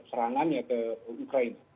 serangannya ke ukraina